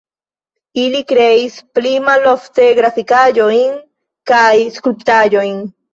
Li kreis pli malofte grafikaĵojn kaj skulptaĵojn.